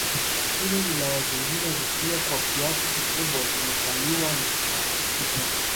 Lakini wilaya zingine zikiwa kwa kiasi kikubwa zimekaliwa na wasukuma